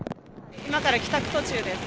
今から帰宅途中です。